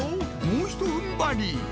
もうひと踏ん張り！